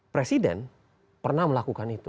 presiden pernah melakukan itu